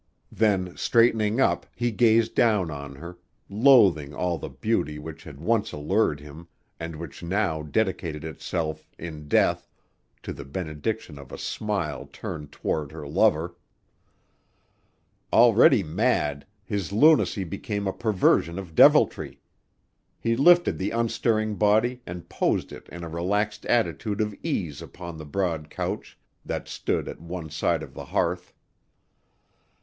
Then straightening up, he gazed down on her, loathing all the beauty which had once allured him and which now dedicated itself, in death, to the benediction of a smile turned toward her lover. Already mad, his lunacy became a perversion of deviltry. He lifted the unstirring body and posed it in a relaxed attitude of ease upon the broad couch that stood at one side of the hearth.